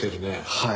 はい。